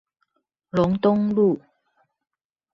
龍東路